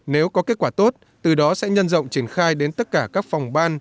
nếu có kết quả tốt từ đó sẽ nhân rộng triển khai đến tất cả các phòng ban